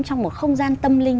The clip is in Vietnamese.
trong một không gian tâm linh